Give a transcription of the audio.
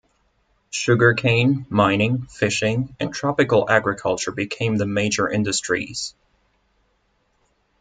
Sugar cane, mining, fishing and tropical agriculture became the major industries.